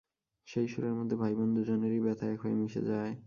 সেই সুরের মধ্যে ভাইবোন দুজনেরই ব্যথা এক হয়ে মিশে যায়।